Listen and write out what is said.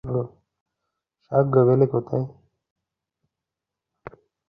Sangu valley কোথায়?